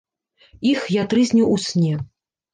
Іх я трызніў у сне.